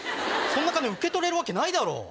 そんな金受け取れるわけないだろ。